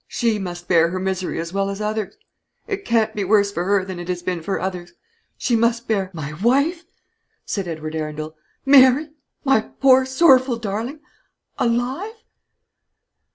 She must bear her misery as well as others. It can't be worse for her than it has been for others. She must bear " "My wife!" said Edward Arundel; "Mary, my poor sorrowful darling alive?"